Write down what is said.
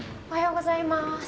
おはようございます。